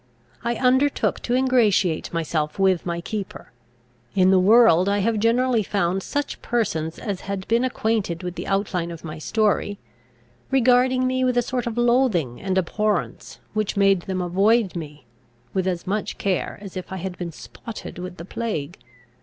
I undertook to ingratiate myself with my keeper. In the world I have generally found such persons as had been acquainted with the outline of my story, regarding me with a sort of loathing and abhorrence, which made them avoid me with as much care as if I had been spotted with the plague.